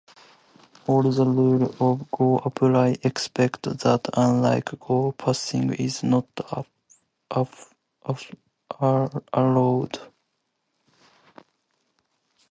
All the rules of Go apply, except that unlike Go, passing is not allowed.